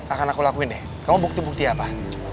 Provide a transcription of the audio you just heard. akan aku lakuin deh kamu bukti bukti apa